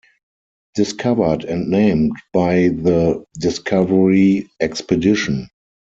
Discovered and named by the Discovery Expedition.